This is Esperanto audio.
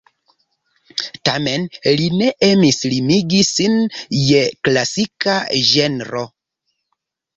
Tamen li ne emis limigi sin je klasika ĝenro.